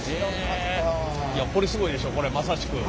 これすごいでしょこれはまさしく。